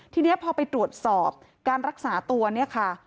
ทีนี้พอไปตรวจสอบการรักษาตัวเนี่ยค่ะ